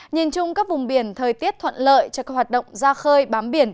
nhìn chung các vùng biển thời tiết thuận lợi cho các hoạt động ra khơi bám biển